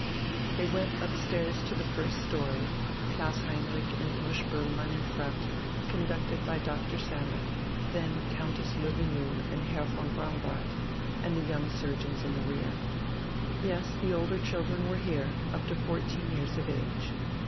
They went upstairs to the first story; Klaus Heinrich and Imma Spoelmann in front, conducted by Doctor Sammet, then Countess Löwenjoul with Herr von Braunbart, and the young surgeons in the rear. Yes, the older children were here, up to fourteen years of age.